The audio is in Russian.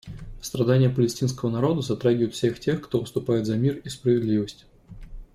Страдания палестинского народа затрагивают всех тех, кто выступает за мир и справедливость.